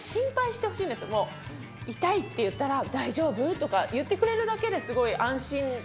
もう「痛い」って言ったら「大丈夫？」とか言ってくれるだけでスゴい安心じゃないですか。